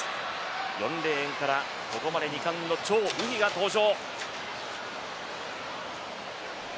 ４レーンからここまで２冠の張雨霏が登場。